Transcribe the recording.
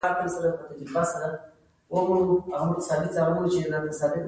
یو کال یې په غرونو کې لوږه تېره کړه.